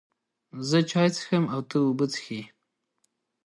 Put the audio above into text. زه چای څښم او ته اوبه څښې